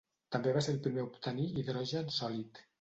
També va ser el primer a obtenir hidrogen sòlid.